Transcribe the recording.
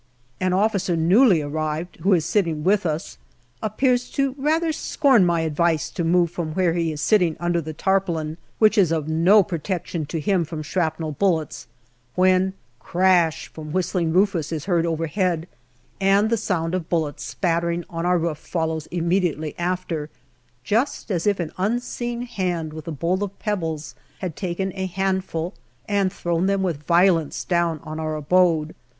An officer, newly arrived, who is sitting with us, appears to rather scorn my advice to move from where he is sitting under the tarpaulin, which is of no protection to him from shrapnel bullets, when, " Crash " from " Whistling Rufus " is heard overhead, and the sound of bullets spattering on our roof follows immediately after, just as if an unseen hand with a bowl of pebbles had taken a handful and thrown them with violence down on to our abode.